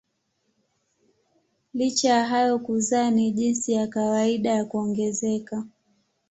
Licha ya hayo kuzaa ni jinsi ya kawaida ya kuongezeka.